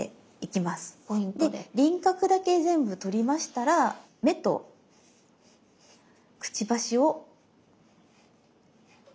で輪郭だけ全部取りましたら目とくちばしを描き写して下さい。